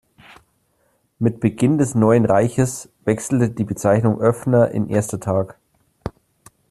Mit Beginn des Neuen Reiches wechselte die Bezeichnung „Öffner“ in „Erster Tag“.